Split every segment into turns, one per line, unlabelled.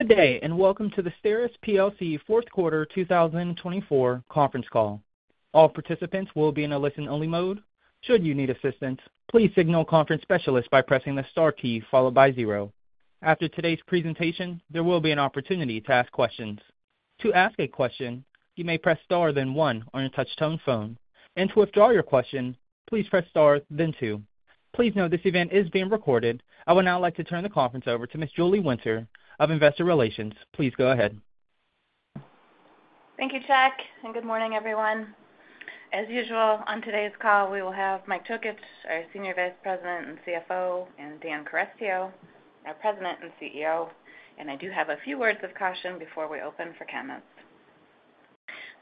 Good day and welcome to the STERIS plc fourth quarter 2024 conference call. All participants will be in a listen-only mode. Should you need assistance, please signal conference specialist by pressing the star key followed by zero. After today's presentation, there will be an opportunity to ask questions. To ask a question, you may press star then one on your touch-tone phone, and to withdraw your question, please press star then two. Please note, this event is being recorded. I would now like to turn the conference over to Ms. Julie Winter of Investor Relations. Please go ahead.
Thank you, Chuck, and good morning, everyone. As usual, on today's call we will have Mike Tokich, our Senior Vice President and CFO, and Dan Carestio, our President and CEO, and I do have a few words of caution before we open for comments.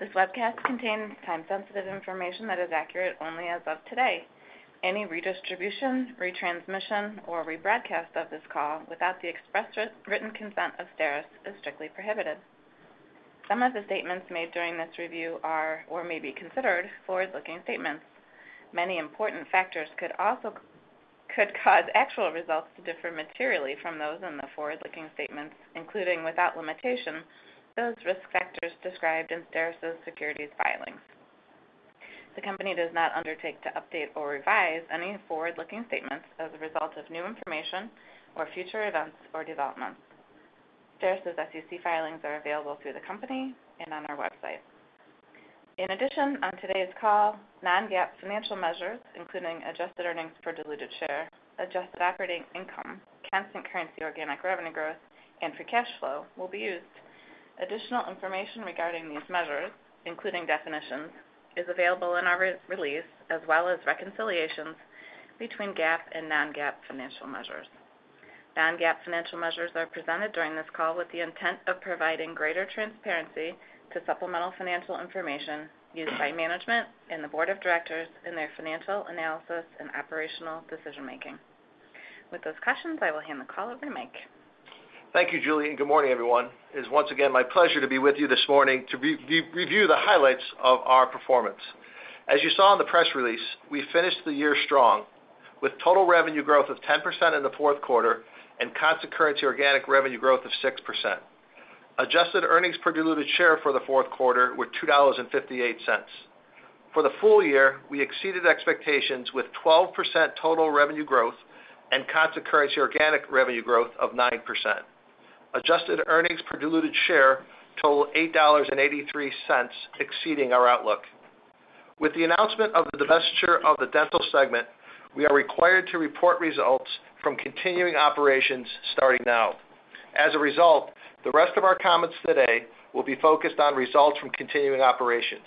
This webcast contains time-sensitive information that is accurate only as of today. Any redistribution, retransmission, or rebroadcast of this call without the express written consent of STERIS is strictly prohibited. Some of the statements made during this review are or may be considered forward-looking statements. Many important factors could also cause actual results to differ materially from those in the forward-looking statements, including, without limitation, those risk factors described in STERIS's securities filings. The company does not undertake to update or revise any forward-looking statements as a result of new information or future events or developments. STERIS's SEC filings are available through the company and on our website. In addition, on today's call, non-GAAP financial measures, including adjusted earnings per diluted share, adjusted operating income, constant currency organic revenue growth, and free cash flow, will be used. Additional information regarding these measures, including definitions, is available in our release as well as reconciliations between GAAP and non-GAAP financial measures. Non-GAAP financial measures are presented during this call with the intent of providing greater transparency to supplemental financial information used by management and the board of directors in their financial analysis and operational decision-making. With those cautions, I will hand the call over to Mike.
Thank you, Julie, and good morning, everyone. It is once again my pleasure to be with you this morning to review the highlights of our performance. As you saw in the press release, we finished the year strong, with total revenue growth of 10% in the fourth quarter and constant currency organic revenue growth of 6%. Adjusted earnings per diluted share for the fourth quarter were $2.58. For the full year, we exceeded expectations with 12% total revenue growth and constant currency organic revenue growth of 9%. Adjusted earnings per diluted share totaled $8.83, exceeding our outlook. With the announcement of the divestiture of the Dental segment, we are required to report results from continuing operations starting now. As a result, the rest of our comments today will be focused on results from continuing operations.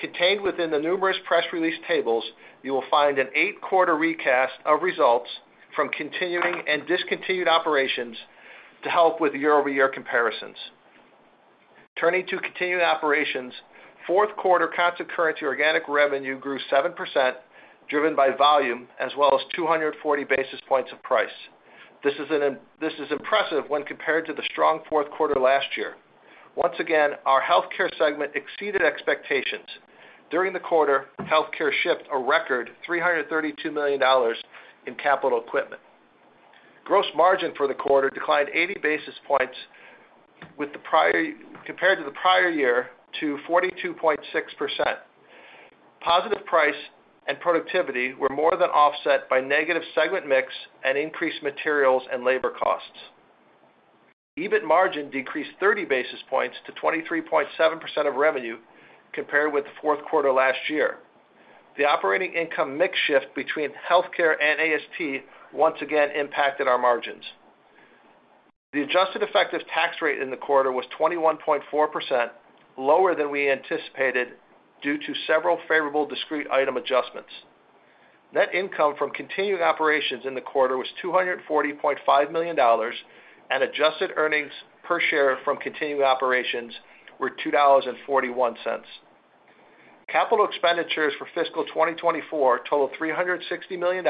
Contained within the numerous press release tables, you will find an eight-quarter recast of results from continuing and discontinued operations to help with year-over-year comparisons. Turning to continuing operations, fourth quarter constant currency organic revenue grew 7%, driven by volume, as well as 240 basis points of price. This is impressive when compared to the strong fourth quarter last year. Once again, our Healthcare segment exceeded expectations. During the quarter, Healthcare shipped a record $332 million in capital equipment. Gross margin for the quarter declined 80 basis points compared to the prior year to 42.6%. Positive price and productivity were more than offset by negative segment mix and increased materials and labor costs. EBIT margin decreased 30 basis points to 23.7% of revenue compared with the fourth quarter last year. The operating income mix shift between Healthcare and AST once again impacted our margins. The adjusted effective tax rate in the quarter was 21.4%, lower than we anticipated due to several favorable discrete item adjustments. Net income from continuing operations in the quarter was $240.5 million, and adjusted earnings per share from continuing operations were $2.41. Capital expenditures for fiscal 2024 totaled $360 million,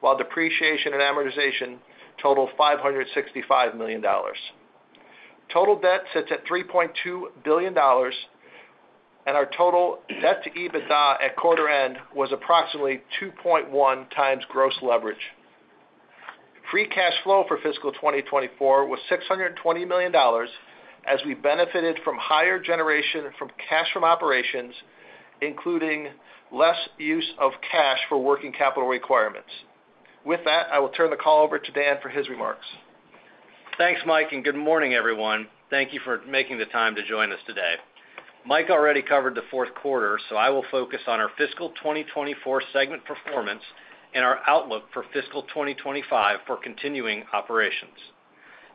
while depreciation and amortization totaled $565 million. Total debt sits at $3.2 billion, and our total debt to EBITDA at quarter end was approximately 2.1x gross leverage. Free cash flow for fiscal 2024 was $620 million, as we benefited from higher generation from cash from operations, including less use of cash for working capital requirements. With that, I will turn the call over to Dan for his remarks.
Thanks, Mike, and good morning, everyone. Thank you for making the time to join us today. Mike already covered the fourth quarter, so I will focus on our fiscal 2024 segment performance and our outlook for fiscal 2025 for continuing operations.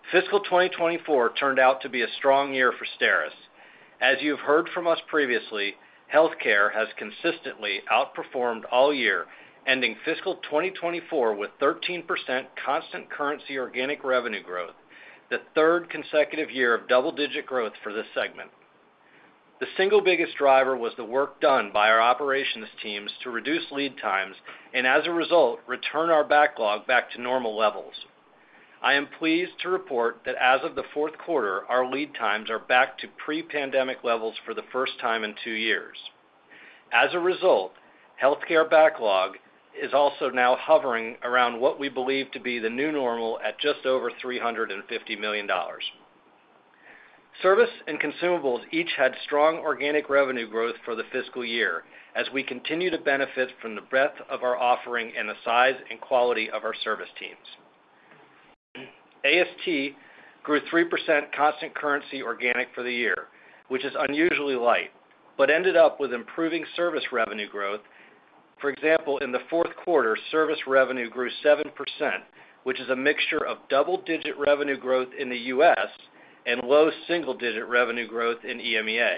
Fiscal 2024 turned out to be a strong year for STERIS. As you have heard from us previously, healthcare has consistently outperformed all year, ending fiscal 2024 with 13% constant currency organic revenue growth, the third consecutive year of double-digit growth for this segment. The single biggest driver was the work done by our operations teams to reduce lead times and, as a result, return our backlog back to normal levels. I am pleased to report that, as of the fourth quarter, our lead times are back to pre-pandemic levels for the first time in two years. As a result, Healthcare backlog is also now hovering around what we believe to be the new normal at just over $350 million. Service and consumables each had strong organic revenue growth for the fiscal year, as we continue to benefit from the breadth of our offering and the size and quality of our service teams. AST grew 3% constant currency organic for the year, which is unusually light, but ended up with improving service revenue growth. For example, in the fourth quarter, service revenue grew 7%, which is a mixture of double-digit revenue growth in the U.S. and low single-digit revenue growth in EMEA.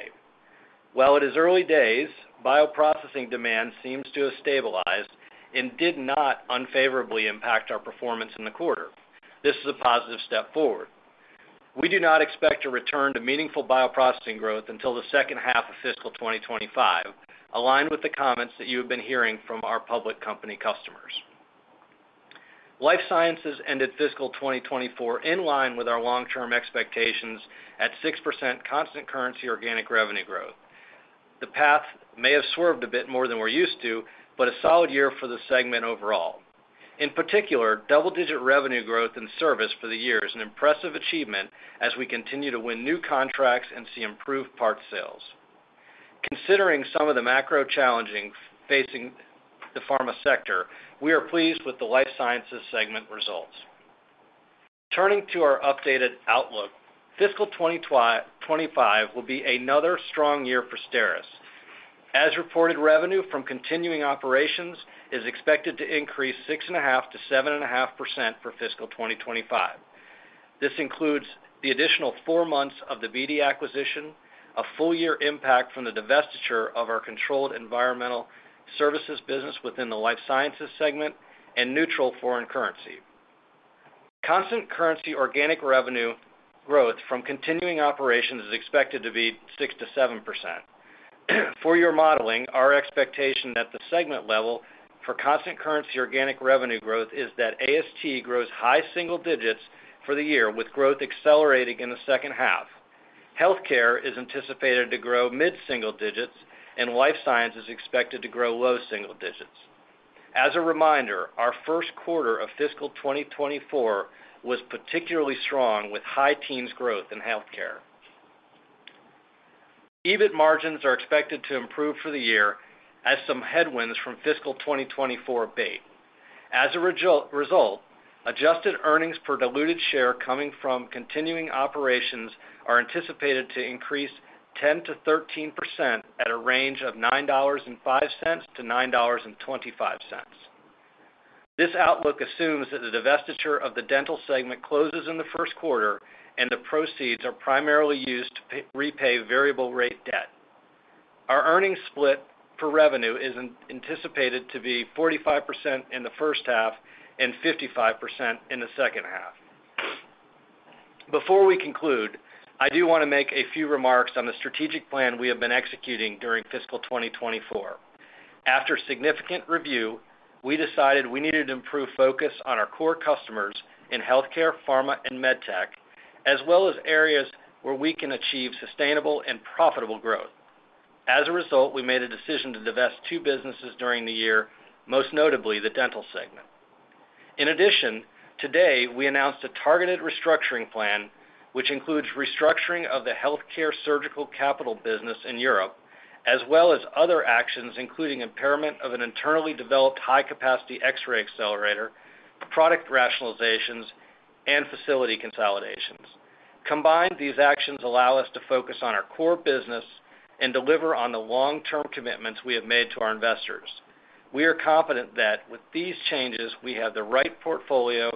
While it is early days, bioprocessing demand seems to have stabilized and did not unfavorably impact our performance in the quarter. This is a positive step forward. We do not expect a return to meaningful bioprocessing growth until the second half of fiscal 2025, aligned with the comments that you have been hearing from our public company customers. Life Sciences ended fiscal 2024 in line with our long-term expectations at 6% constant currency organic revenue growth. The path may have swerved a bit more than we're used to, but a solid year for the segment overall. In particular, double-digit revenue growth in service for the year is an impressive achievement as we continue to win new contracts and see improved part sales. Considering some of the macro challenges facing the pharma sector, we are pleased with the Life Sciences segment results. Turning to our updated outlook, fiscal 2025 will be another strong year for STERIS. As reported, revenue from continuing operations is expected to increase 6.5%-7.5% for fiscal 2025. This includes the additional four months of the BD acquisition, a full-year impact from the divestiture of our Controlled Environment Services business within the Life Sciences segment, and neutral foreign currency. Constant currency organic revenue growth from continuing operations is expected to be 6%-7%. For your modeling, our expectation at the segment level for constant currency organic revenue growth is that AST grows high single digits for the year, with growth accelerating in the second half. Healthcare is anticipated to grow mid-single digits, and Life Sciences is expected to grow low single digits. As a reminder, our first quarter of fiscal 2024 was particularly strong with high teens growth in Healthcare. EBIT margins are expected to improve for the year as some headwinds from fiscal 2024 abated. As a result, adjusted earnings per diluted share coming from continuing operations are anticipated to increase 10%-13% at a range of $9.05-$9.25. This outlook assumes that the divestiture of the dental segment closes in the first quarter, and the proceeds are primarily used to repay variable-rate debt. Our earnings split per revenue is anticipated to be 45% in the first half and 55% in the second half. Before we conclude, I do want to make a few remarks on the strategic plan we have been executing during fiscal 2024. After significant review, we decided we needed to improve focus on our core customers in healthcare, pharma, and med tech, as well as areas where we can achieve sustainable and profitable growth. As a result, we made a decision to divest two businesses during the year, most notably the dental segment. In addition, today we announced a targeted restructuring plan, which includes restructuring of the healthcare surgical capital business in Europe, as well as other actions including impairment of an internally developed high-capacity X-ray accelerator, product rationalizations, and facility consolidations. Combined, these actions allow us to focus on our core business and deliver on the long-term commitments we have made to our investors. We are confident that, with these changes, we have the right portfolio,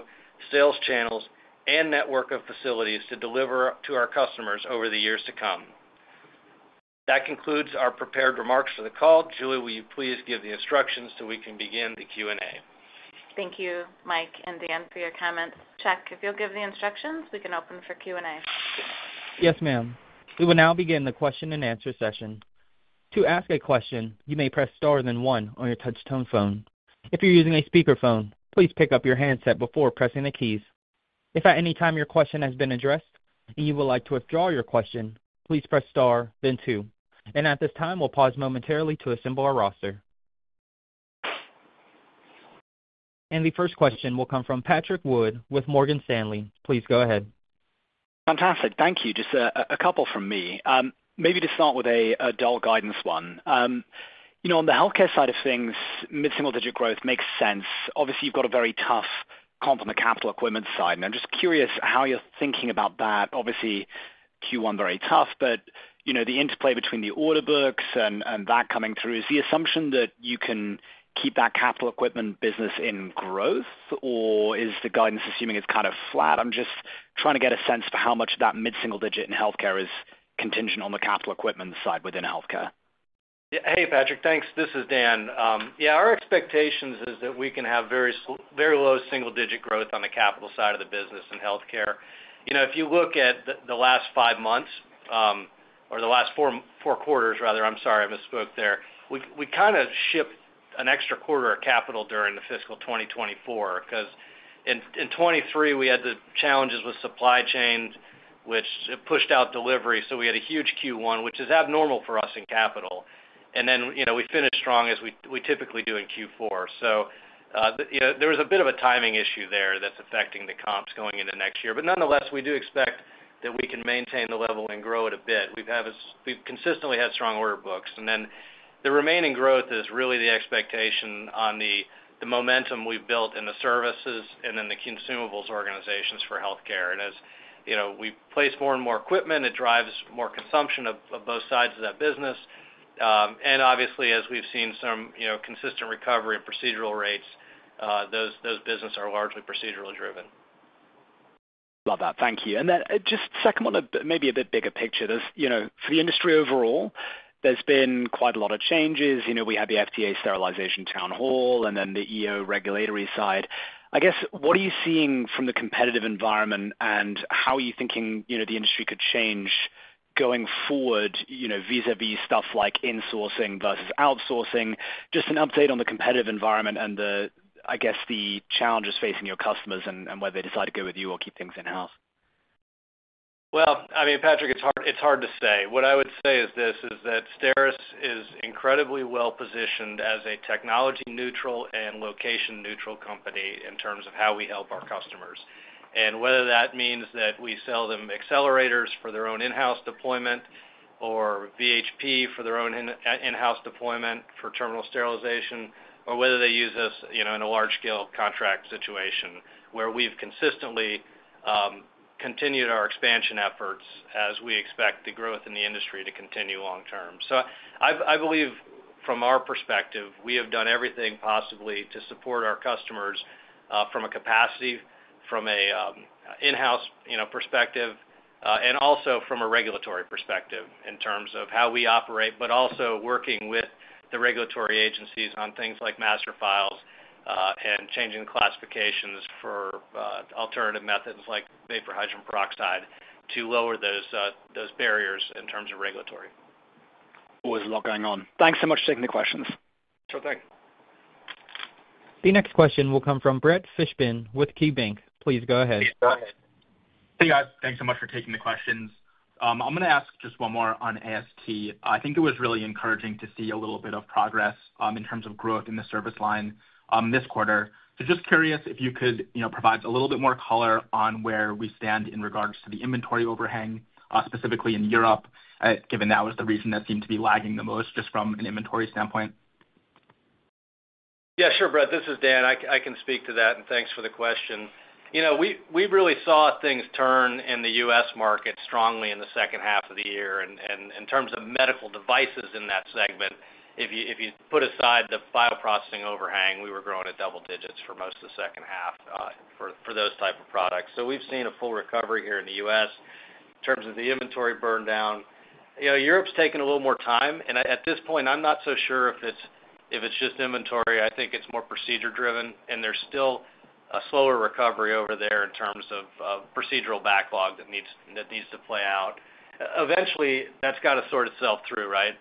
sales channels, and network of facilities to deliver to our customers over the years to come. That concludes our prepared remarks for the call. Julie, will you please give the instructions so we can begin the Q&A?
Thank you, Mike and Dan, for your comments. Chuck, if you'll give the instructions, we can open for Q&A.
Yes, ma'am. We will now begin the question-and-answer session. To ask a question, you may press star, then one on your touch-tone phone. If you're using a speakerphone, please pick up your handset before pressing the keys. If at any time your question has been addressed and you would like to withdraw your question, please press star, then two. At this time, we'll pause momentarily to assemble our roster. The first question will come from Patrick Wood with Morgan Stanley. Please go ahead.
Fantastic. Thank you. Just a couple from me. Maybe to start with a dull guidance one. On the Healthcare side of things, mid-single-digit growth makes sense. Obviously, you've got a very tough comparable capital equipment side, and I'm just curious how you're thinking about that. Obviously, Q1 very tough, but the interplay between the order books and that coming through, is the assumption that you can keep that capital equipment business in growth, or is the guidance assuming it's kind of flat? I'm just trying to get a sense for how much of that mid-single-digit in Healthcare is contingent on the capital equipment side within Healthcare.
Hey, Patrick. Thanks. This is Dan. Yeah, our expectations is that we can have very low single-digit growth on the capital side of the business in healthcare. If you look at the last five months or the last four quarters, rather, I'm sorry, I misspoke there, we kind of shipped an extra quarter of capital during the fiscal 2024 because, in 2023, we had the challenges with supply chain, which pushed out delivery, so we had a huge Q1, which is abnormal for us in capital. And then we finished strong as we typically do in Q4. So there was a bit of a timing issue there that's affecting the comps going into next year. But nonetheless, we do expect that we can maintain the level and grow it a bit. We've consistently had strong order books. And then the remaining growth is really the expectation on the momentum we've built in the services and then the consumables organizations for healthcare. And as we place more and more equipment, it drives more consumption of both sides of that business. And obviously, as we've seen some consistent recovery in procedural rates, those businesses are largely procedural-driven.
Love that. Thank you. And then just second one, maybe a bit bigger picture. For the industry overall, there's been quite a lot of changes. We had the FDA sterilization town hall and then the EO regulatory side. I guess, what are you seeing from the competitive environment, and how are you thinking the industry could change going forward vis-à-vis stuff like insourcing versus outsourcing? Just an update on the competitive environment and, I guess, the challenges facing your customers and whether they decide to go with you or keep things in-house.
Well, I mean, Patrick, it's hard to say. What I would say is this: that STERIS is incredibly well-positioned as a technology-neutral and location-neutral company in terms of how we help our customers. And whether that means that we sell them accelerators for their own in-house deployment or VHP for their own in-house deployment for terminal sterilization, or whether they use us in a large-scale contract situation where we've consistently continued our expansion efforts as we expect the growth in the industry to continue long-term. So I believe, from our perspective, we have done everything possibly to support our customers from a capacity, from an in-house perspective, and also from a regulatory perspective in terms of how we operate, but also working with the regulatory agencies on things like master files and changing the classifications for alternative methods like vaporized hydrogen peroxide to lower those barriers in terms of regulatory.
There was a lot going on. Thanks so much for taking the questions.
Sure thing.
The next question will come from Brett Fishbin with KeyBanc. Please go ahead.
Hey, guys. Thanks so much for taking the questions. I'm going to ask just one more on AST. I think it was really encouraging to see a little bit of progress in terms of growth in the service line this quarter. So just curious if you could provide a little bit more color on where we stand in regards to the inventory overhang, specifically in Europe, given that was the region that seemed to be lagging the most just from an inventory standpoint?
Yeah, sure, Brett, this is Dan. I can speak to that, and thanks for the question. We really saw things turn in the U.S. market strongly in the second half of the year. In terms of medical devices in that segment, if you put aside the bioprocessing overhang, we were growing at double digits for most of the second half for those types of products. We've seen a full recovery here in the U.S. in terms of the inventory burndown. Europe's taken a little more time. At this point, I'm not so sure if it's just inventory. I think it's more procedure-driven, and there's still a slower recovery over there in terms of procedural backlog that needs to play out. Eventually, that's got to sort itself through, right?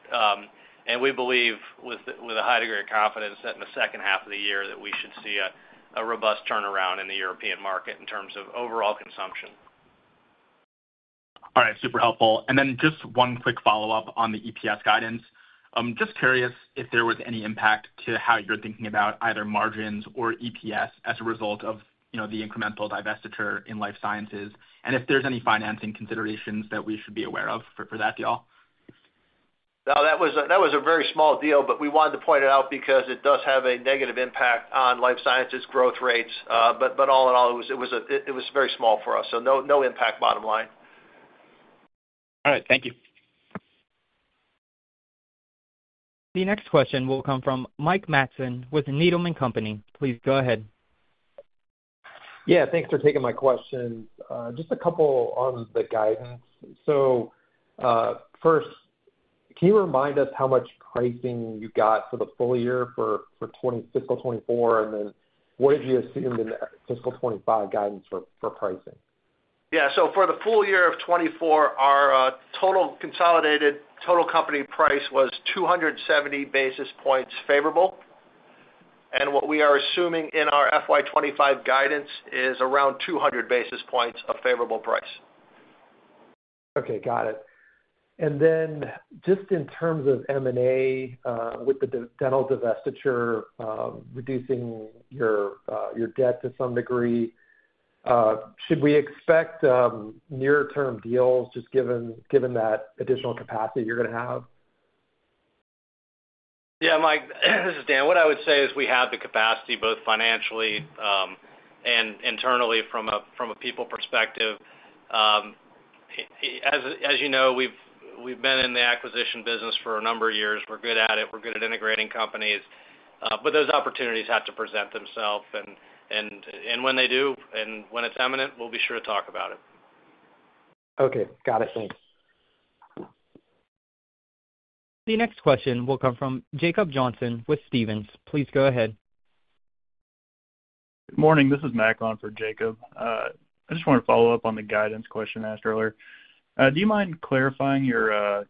We believe, with a high degree of confidence, that in the second half of the year that we should see a robust turnaround in the European market in terms of overall consumption.
All right. Super helpful. And then just one quick follow-up on the EPS guidance. Just curious if there was any impact to how you're thinking about either margins or EPS as a result of the incremental divestiture in Life Sciences, and if there's any financing considerations that we should be aware of for that deal.
No, that was a very small deal, but we wanted to point it out because it does have a negative impact on Life Sciences' growth rates. But all in all, it was very small for us, so no impact bottom line.
All right. Thank you.
The next question will come from Mike Matson with Needham & Company. Please go ahead.
Yeah. Thanks for taking my question. Just a couple on the guidance. So first, can you remind us how much pricing you got for the full year for fiscal 2024, and then what did you assume in fiscal 2025 guidance for pricing?
Yeah. For the full year of 2024, our total consolidated total company price was 270 basis points favorable. What we are assuming in our FY 2025 guidance is around 200 basis points of favorable price.
Okay. Got it. And then just in terms of M&A with the dental divestiture, reducing your debt to some degree, should we expect near-term deals just given that additional capacity you're going to have?
Yeah, Mike. This is Dan. What I would say is we have the capacity, both financially and internally from a people perspective. As you know, we've been in the acquisition business for a number of years. We're good at it. We're good at integrating companies. But those opportunities have to present themselves. And when they do and when it's imminent, we'll be sure to talk about it.
Okay. Got it. Thanks.
The next question will come from Jacob Johnson with Stephens. Please go ahead.
Good morning. This is Mac on for Jacob. I just wanted to follow up on the guidance question I asked earlier. Do you mind clarifying your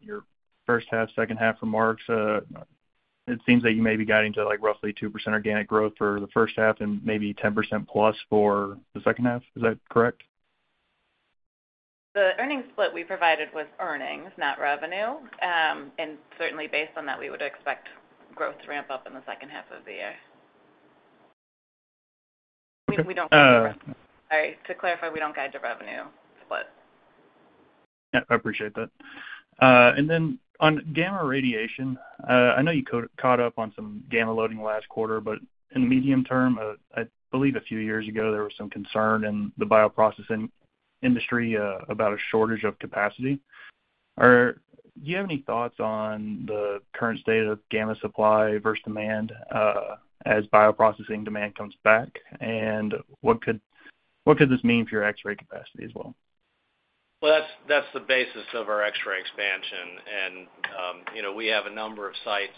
first half, second half remarks? It seems that you may be guiding to roughly 2% organic growth for the first half and maybe 10%+ for the second half. Is that correct?
The earnings split we provided was earnings, not revenue. Certainly, based on that, we would expect growth to ramp up in the second half of the year. Sorry. To clarify, we don't guide to revenue split.
Yeah. I appreciate that. And then on gamma radiation, I know you caught up on some gamma loading last quarter, but in the medium term, I believe a few years ago, there was some concern in the bioprocessing industry about a shortage of capacity. Do you have any thoughts on the current state of gamma supply versus demand as bioprocessing demand comes back? And what could this mean for your X-ray capacity as well?
Well, that's the basis of our X-ray expansion. We have a number of sites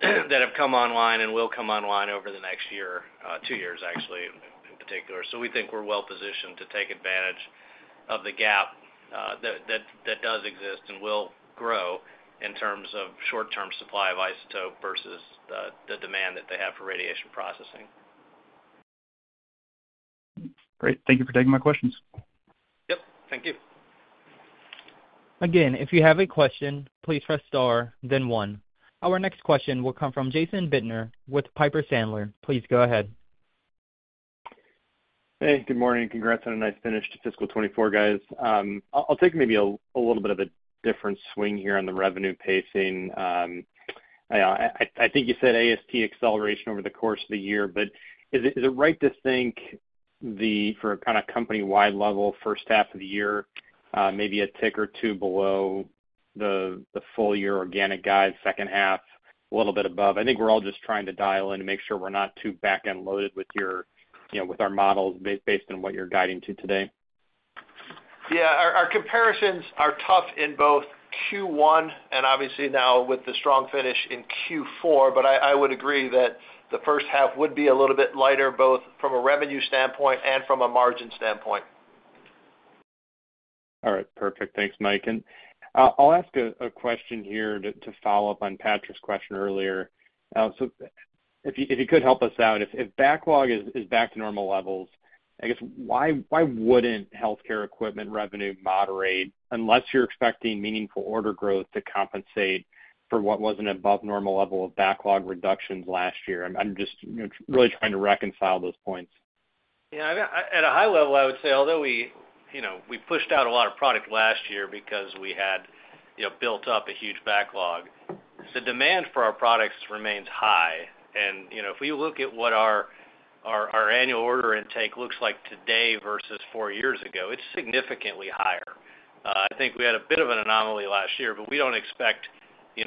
that have come online and will come online over the next year, 2 years actually, in particular. We think we're well-positioned to take advantage of the gap that does exist and will grow in terms of short-term supply of isotope versus the demand that they have for radiation processing.
Great. Thank you for taking my questions.
Yep. Thank you.
Again, if you have a question, please press star, then one. Our next question will come from Jason Bednar with Piper Sandler. Please go ahead.
Hey. Good morning. Congrats on a nice finish to fiscal 2024, guys. I'll take maybe a little bit of a different swing here on the revenue pacing. I think you said AST acceleration over the course of the year, but is it right to think, for kind of company-wide level, first half of the year, maybe a tick or two below the full-year organic guide, second half, a little bit above? I think we're all just trying to dial in to make sure we're not too back-end loaded with our models based on what you're guiding to today.
Yeah. Our comparisons are tough in both Q1 and obviously now with the strong finish in Q4, but I would agree that the first half would be a little bit lighter, both from a revenue standpoint and from a margin standpoint.
All right. Perfect. Thanks, Mike. I'll ask a question here to follow up on Patrick's question earlier. So if you could help us out, if backlog is back to normal levels, I guess, why wouldn't healthcare equipment revenue moderate unless you're expecting meaningful order growth to compensate for what was an above-normal level of backlog reductions last year? I'm just really trying to reconcile those points.
Yeah. At a high level, I would say, although we pushed out a lot of product last year because we had built up a huge backlog, the demand for our products remains high. And if we look at what our annual order intake looks like today versus four years ago, it's significantly higher. I think we had a bit of an anomaly last year, but we don't expect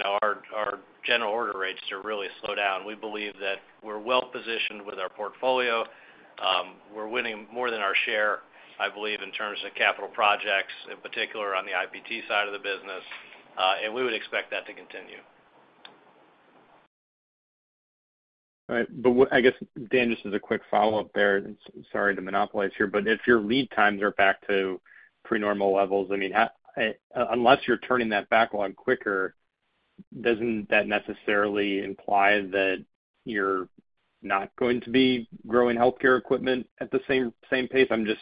our general order rates to really slow down. We believe that we're well-positioned with our portfolio. We're winning more than our share, I believe, in terms of capital projects, in particular on the IPT side of the business. And we would expect that to continue.
All right. But I guess, Dan, just as a quick follow-up there, and sorry to monopolize here, but if your lead times are back to pre-normal levels, I mean, unless you're turning that backlog quicker, doesn't that necessarily imply that you're not going to be growing healthcare equipment at the same pace? If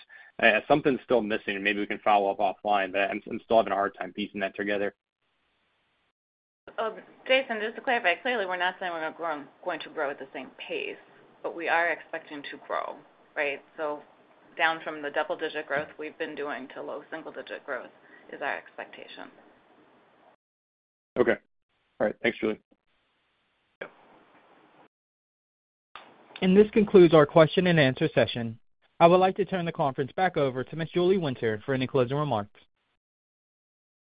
something's still missing, and maybe we can follow up offline, but I'm still having a hard time piecing that together.
Jason, just to clarify, clearly, we're not saying we're going to grow at the same pace, but we are expecting to grow, right? So down from the double-digit growth we've been doing to low single-digit growth is our expectation.
Okay. All right. Thanks, Julie.
Yeah.
This concludes our question-and-answer session. I would like to turn the conference back over to Miss Julie Winter for any closing remarks.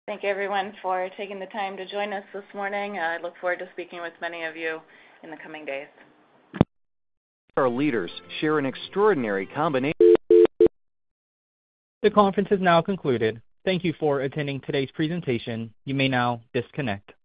Thank everyone for taking the time to join us this morning. I look forward to speaking with many of you in the coming days.
Our leaders share an extraordinary combination.
The conference is now concluded. Thank you for attending today's presentation. You may now disconnect.